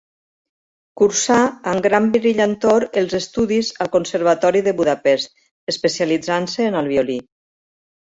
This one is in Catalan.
Cursà amb gran brillantor els estudis al Conservatori de Budapest, especialitzant-se en el violí.